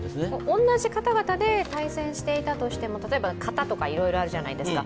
同じ方々で対戦していたとしても例えば型とかいろいろあるじゃないですか。